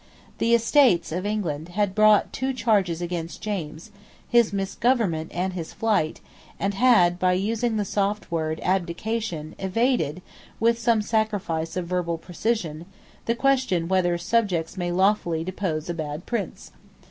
The Estates of England had brought two charges against James, his misgovernment and his flight, and had, by using the soft word "Abdication," evaded, with some sacrifice of verbal precision, the question whether subjects may lawfully depose a bad prince.